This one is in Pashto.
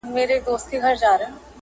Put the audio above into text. او بس د سعودي عرب